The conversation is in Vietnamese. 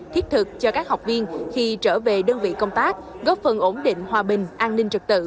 thiết thực cho các học viên khi trở về đơn vị công tác góp phần ổn định hòa bình an ninh trật tự